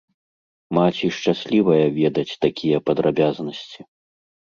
Маці шчаслівая ведаць такія падрабязнасці.